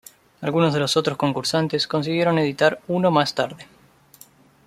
Algunos de los otros concursantes consiguieron editar uno más tarde.